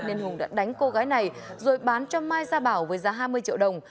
nên hùng đã đánh cô gái này rồi bán cho mai gia bảo với giá hai mươi triệu đồng